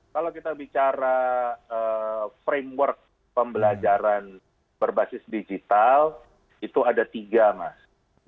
kalau kita bicara framework pembelajaran berbasis digital itu ada tiga mas